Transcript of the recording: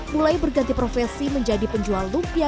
mulai berganti profesi menjadi penjual lumpia